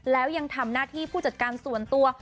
แล้วยังทำหน้าที่ผู้จัดการส่วนตัว